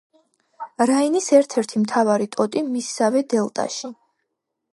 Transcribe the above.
რაინის ერთ-ერთი მთავარი ტოტი მისსავე დელტაში.